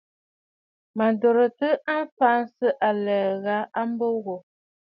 Mə̀ dòrɨ̀tə a mfiʼisə̂ ɨ̀lɛ̀ɛ̂ gha a mbo wò.